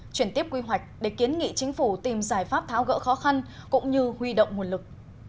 chuyển tiếp quy hoạch để kiến nghị chính phủ tìm giải pháp tháo gỡ khó khăn cũng như huy động nguồn lực